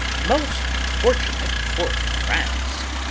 "Most fortunate for France!"